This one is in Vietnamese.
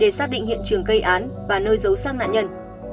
để xác định hiện trường gây án và nơi giấu sang nạn nhân